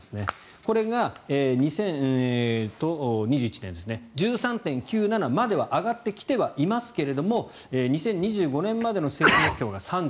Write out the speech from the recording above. これが２０２１年１３．９７までは上がってきてはいますが２０２５年までの数値目標が３０。